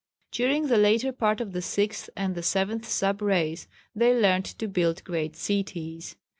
] During the later part of the sixth, and the seventh sub race they learnt to build great cities.